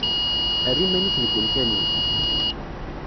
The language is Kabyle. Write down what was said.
Err iman-ik deg umkan-iw.